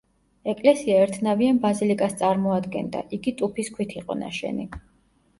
ეკლესია ერთნავიან ბაზილიკას წარმოადგენდა, იგი ტუფის ქვით იყო ნაშენი.